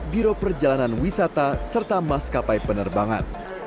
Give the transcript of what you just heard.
biro perjalanan wisata serta maskapai penerbangan